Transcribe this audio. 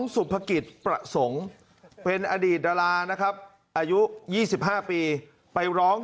สุภกิจประสงค์เป็นอดีตดารานะครับอายุ๒๕ปีไปร้อง